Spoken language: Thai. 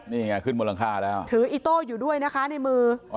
นี่ไงขึ้นบนหลังคาแล้วถืออิโต้อยู่ด้วยนะคะในมือ